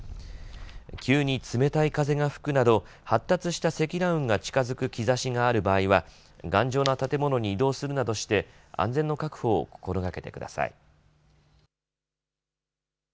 急に冷たい風が吹くなど発達した積乱雲が近づく兆しがある場合は頑丈な建物に移動するなどして安全の確保を心がけてください。